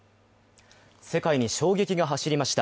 世界に衝撃が走りました。